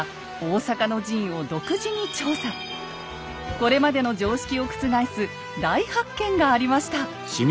これまでの常識を覆す大発見がありました。